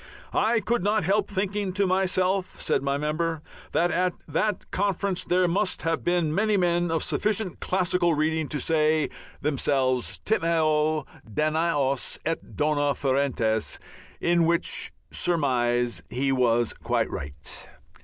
"I could not help thinking to myself," said my member, "that at that conference there must have been many men of sufficient classical reading to say to themselves, 'Timeo Danaos et dona ferentes.'" In which surmise he was quite right.